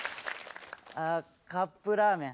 あカップラーメン。